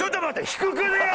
低くねえ？